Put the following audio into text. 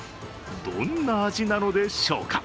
どんな味なのでしょうか。